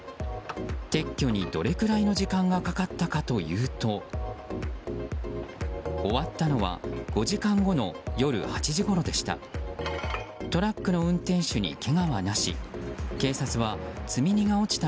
撤去にどれくらいの時間がかかったかというと終わったのは５時間後の夜８時頃でした。